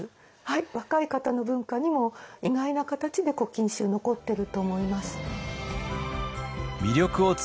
若い方の文化にも意外な形で「古今集」残ってると思います。